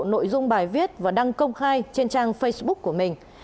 nội dung bài viết và đăng công khai trên trang facebook của mình